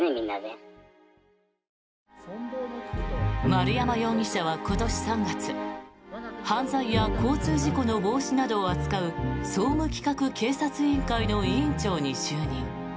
丸山容疑者は今年３月犯罪や交通事故の防止などを扱う総務企画警察委員会の委員長に就任。